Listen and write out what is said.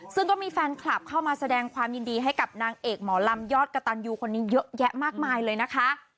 ซึ่งก็มีแฟนคลับเข้ามาแสดงความยินดีให้กับนางเอกหมอลำยอดกระตันยูคนนี้เยอะแยะมากมายเลยนะคะ